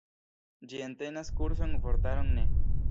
Ĝi entenas kurson, vortaron ne.